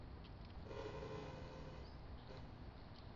磁矩结构与铁磁性物质的磁性行为有关。